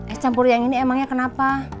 es campur yang ini emangnya kenapa